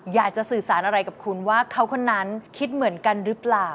อยากจะสื่อสารอะไรกับคุณว่าเขาคนนั้นคิดเหมือนกันหรือเปล่า